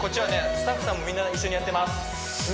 スタッフさんもみんな一緒にやってます